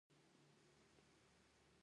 افغانستان د هلمند سیند په اړه علمي څېړنې لري.